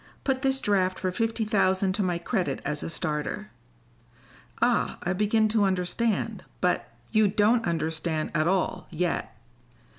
Put this draft for fifty thousand to my credit as a starter." "Ah, I begin to understand. But " "You don't understand at all, yet.